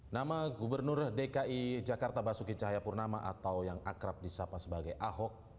nama gubernur dki jakarta basuki cahayapurnama atau yang akrab di sapa sebagai ahok